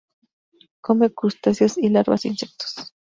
Come crustáceos y larvas de insectos.